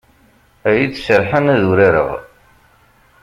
Ad iyi-d-serḥen ad urareɣ.